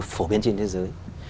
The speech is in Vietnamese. phổ biến trên thế giới